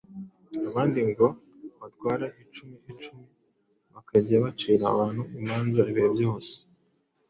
abandi ngo batware icumi icumi. Bakajya bacira abantu imanza ibihe byose: